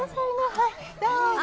はいどうぞ。